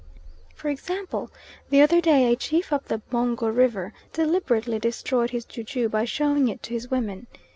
For example, the other day a chief up the Mungo River deliberately destroyed his ju ju by showing it to his women.